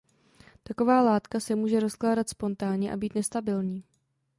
Taková látka se může rozkládat spontánně a být nestabilní.